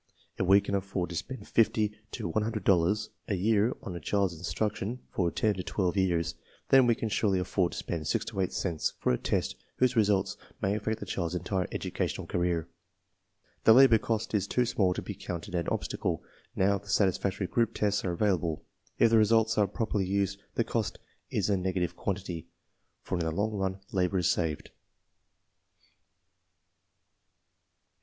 If we can afford to spend $50 to $100 a year for a child's instruction for ten or twelve jrears, we can surely afford to spend 6 to 10 cents for a test whose results may affect the child's entire educational career. The labor cost is too small to be counted an obstacle, now that satisfactory group tests are avail able. If the results are properly used, the cost is a nega tive quantity, for in the long run labor is saved.